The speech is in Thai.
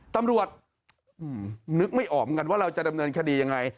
ตำรวจนึกไม่ออกเหมือนกันว่าเราจะดำเนินคดียังไง